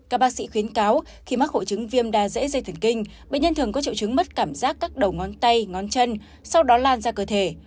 các bác sĩ khuyến cáo khi mắc hội chứng viêm da dễ dây thần kinh bệnh nhân thường có triệu chứng mất cảm giác các đầu ngón tay ngón chân sau đó lan ra cơ thể